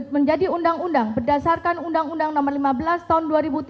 menjadi undang undang berdasarkan undang undang nomor lima belas tahun dua ribu tiga